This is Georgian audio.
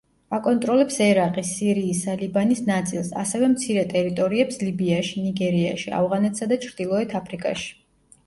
აკონტროლებს ერაყის, სირიისა, ლიბანის ნაწილს, ასევე მცირე ტერიტორიებს ლიბიაში, ნიგერიაში, ავღანეთსა და ჩრდილოეთ აფრიკაში.